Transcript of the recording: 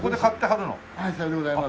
はい。